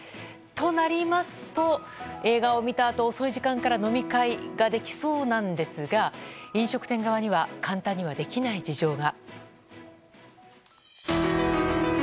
となりますと映画を見たあと遅い時間から飲み会ができそうなんですが飲食店側には簡単にはできない事情が。